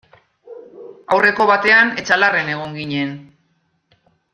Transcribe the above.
Aurreko batean Etxalarren egon ginen.